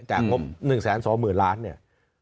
จากงบ๑แสนสองหมื่นล้านเนี่ย